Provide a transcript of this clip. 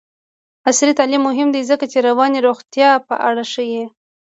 عصري تعلیم مهم دی ځکه چې د رواني روغتیا په اړه ښيي.